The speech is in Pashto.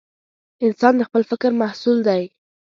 انسان د خپل فکر محصول دی.